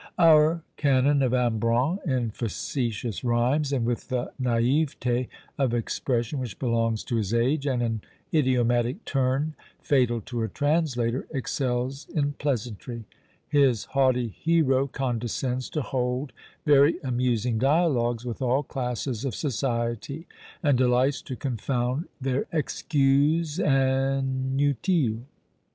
Our canon of Ambrun, in facetious rhymes, and with the naïveté of expression which belongs to his age, and an idiomatic turn fatal to a translator, excels in pleasantry; his haughty hero condescends to hold very amusing dialogues with all classes of society, and delights to confound their "excuses inutiles."